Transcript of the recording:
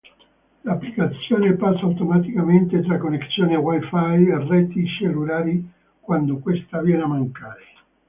L'applicazione passa automaticamente tra connessione Wi-Fi e reti cellulari quando questa viene a mancare.